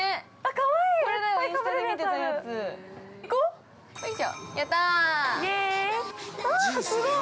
◆かわいい。